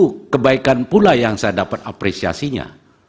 itu kebaikan pula yang saya dapat apresiasinya